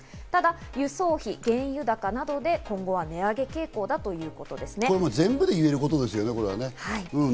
ただ輸送費や原油高などで今後は値上げ傾向だということですね。